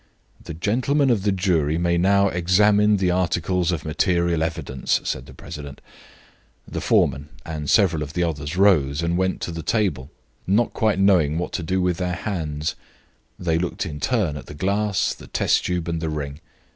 "The gentlemen of the jury may now examine the articles of material evidence," said the president. The foreman and several of the others rose and went to the table, not quite knowing what to do with their hands. They looked in turn at the glass, the test tube, and the ring.